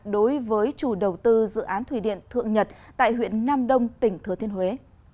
đối với chủ đầu tư dự án thủy điện thượng nhật tại huyện nam đông tỉnh thừa thiên huế